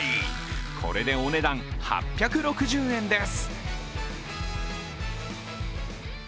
これでお値段８６０円です。